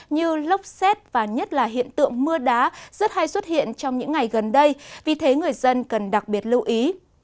như lốc xét và nhất là hiện tượng mưa đá rất hay xuất hiện trong những ngày gần đây vì thế người dân cần đặc biệt lưu ý